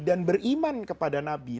dan beriman kepada nabi